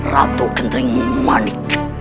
ratu kenteri manik